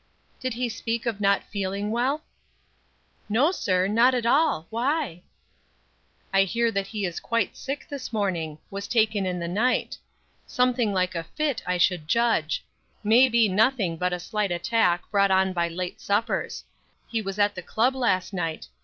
"Did he speak of not feeling well?" "No, sir; not at all. Why?" "I hear that he is quite sick this morning; was taken in the night. Something like a fit, I should judge; may be nothing but a slight attack, brought on by late suppers. He was at the club last night.